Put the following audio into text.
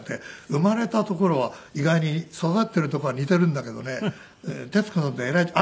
生まれた所は意外に育ってる所は似てるんだけどね徹子さんと。